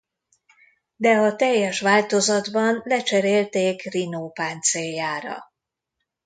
De a teljes változatban lecserélték Rhino páncéljára.